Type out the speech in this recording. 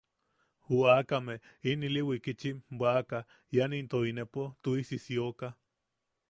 Ju aakame in ili wikitchim bwaʼaka ian into inepo tuʼisi sioka.